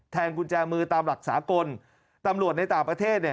กุญแจมือตามหลักสากลตำรวจในต่างประเทศ